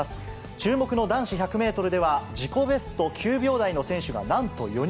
注目の男子１００メートルでは、自己ベスト９秒台の選手がなんと４人。